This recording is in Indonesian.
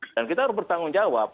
dan kita harus bertanggung jawab